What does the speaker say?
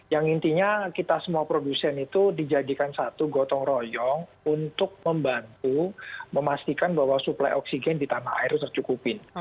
yang intinya kita semua produsen itu dijadikan satu gotong royong untuk membantu memastikan bahwa suplai oksigen di tanah air tercukupin